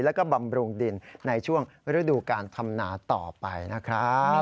แล้วก็บำรุงดินในช่วงฤดูการทำนาต่อไปนะครับ